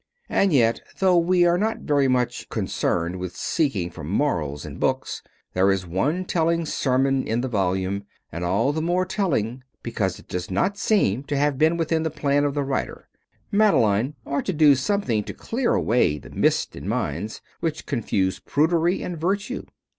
And yet, though we are not very much concerned with seeking for morals in books, there is one telling sermon in the volume, and all the more telling because it does not seem to have been within the plan of the writer. "Madeleine" ought to do something to clear away the mist in minds which confuse prudery and virtue.